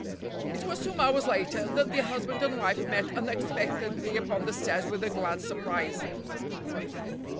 It was some hours later that the husband and wife met unexpectedly upon the stairs with a glad surprise.